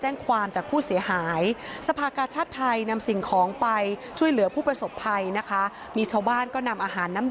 นำเตาแก๊สของบ้านหลัง